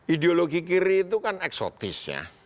ideologi kiri itu kan eksotis ya